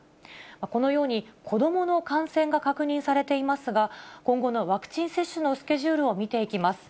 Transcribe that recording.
このように、子どもの感染が確認されていますが、今後のワクチン接種のスケジュールを見ていきます。